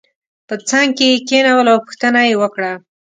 په څنګ کې یې کېنول او پوښتنه یې وکړه.